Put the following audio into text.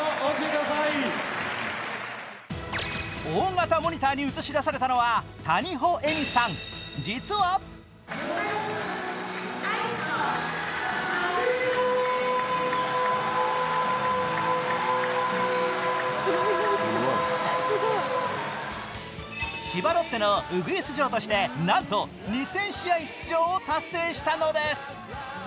大型モニターに映し出されたのは谷保恵美さん、実は千葉ロッテのウグイス嬢として、なんと２０００試合出場を達成したのです。